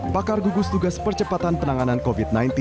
pakar gugus tugas percepatan penanganan covid sembilan belas